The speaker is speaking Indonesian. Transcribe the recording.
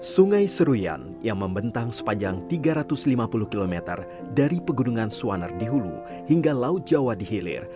sungai seruyan yang membentang sepanjang tiga ratus lima puluh km dari pegunungan suanar di hulu hingga laut jawa di hilir